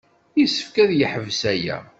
Yessefk ad yeḥbes aya.